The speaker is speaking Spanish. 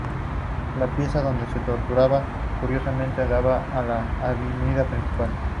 La pieza donde se torturaba curiosamente daba a la avenida principal.